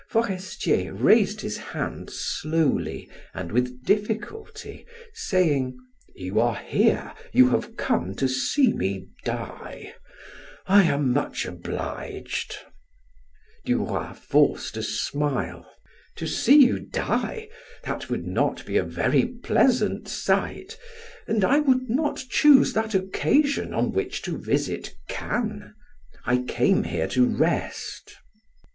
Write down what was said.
Forestier raised his hand slowly and with difficulty, saying: "You are here; you have come to see me die. I am much obliged." Duroy forced a smile. "To see you die? That would not be a very pleasant sight, and I would not choose that occasion on which to visit Cannes. I came here to rest."